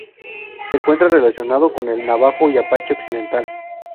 Se encuentra relacionado con el Navajo y Apache occidental.